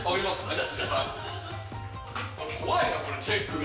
怖いな、このチェックが。